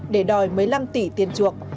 để đòi một mươi năm tỷ tiền chuộc